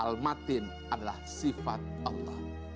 al matin adalah sifat allah